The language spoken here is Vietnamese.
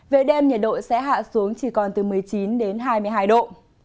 về đêm nhiệt độ sẽ hạ xuống chỉ còn từ một mươi chín đến hai mươi hai độ